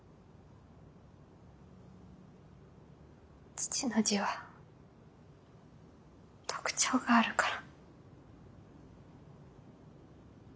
父の字は特徴があるから。